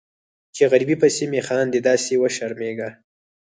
چې غریبۍ پسې مې خاندي داسې وشرمیږم